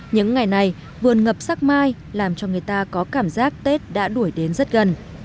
những ngày này vườn ngập sắc mai làm cho người ta có cảm giác tết đã đuổi đến rất gần